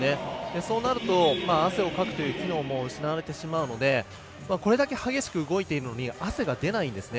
そうなると汗をかくという機能も失われてしまうのでこれだけ激しく動いているのに、汗が出ないんですね。